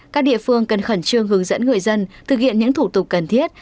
các địa phương cần khẩn trương hướng dẫn người dân thực hiện những thủ tục cần thiết